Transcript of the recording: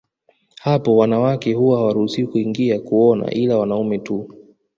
Hapo wanawake huwa hawaruhusiwi kuingia kuona ila wanaume tu